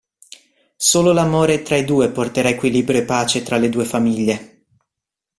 Solo l'amore tra i due porterà equilibrio e pace tra le due famiglie.